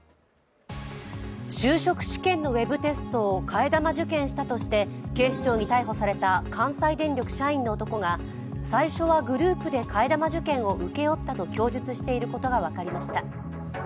就職試験のウェブテストを替え玉受検したとして警視庁に逮捕された関西電力社員の男が最初はグループで替え玉受検を請け負ったと供述していることが分かりました。